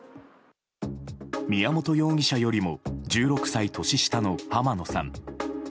宮本容疑者よりも１６歳年下の浜野さん。